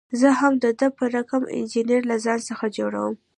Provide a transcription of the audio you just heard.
زه هم د ده په رقم انجینر له ځان څخه جوړوم.